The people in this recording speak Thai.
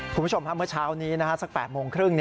คุณผู้ชมเมื่อเช้านี้สัก๘โมงครึ่ง